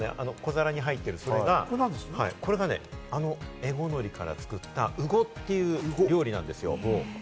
今ね、小皿に入っているのが、これがね、エゴノリから作った、うごという料理なんですよ。